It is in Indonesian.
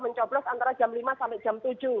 mencoblos antara jam lima sampai jam tujuh